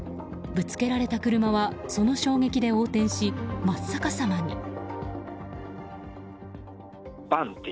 ぶつけられた車はその衝撃で横転し真っ逆さまに。